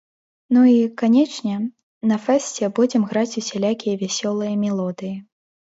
Ну і, канечне, на фэсце будзем граць усялякія вясёлыя мелодыі.